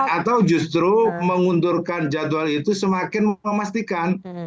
atau justru mengundurkan jadwal itu semakin memastikan